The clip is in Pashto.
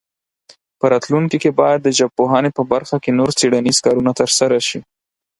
په راتلونکي کې باید د ژبپوهنې په برخه کې نور څېړنیز کارونه ترسره شي.